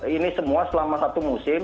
ini semua selama satu musim